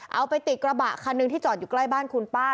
เอาไปติดกระบะคันหนึ่งที่จอดอยู่ใกล้บ้านคุณป้า